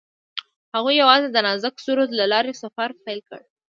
هغوی یوځای د نازک سرود له لارې سفر پیل کړ.